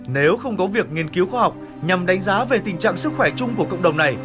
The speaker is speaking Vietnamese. nếu không có việc nghiên cứu khoa học nhằm đánh giá về tình trạng sức khỏe chung của cộng đồng này